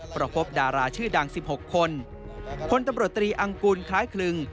เพราะพบดาราชื่อดัง๑๖คนพลตำรวจตรีอังกูลคล้ายคลึง